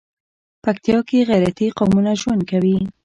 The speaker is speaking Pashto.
پکتيا کې غيرتي قومونه ژوند کوي.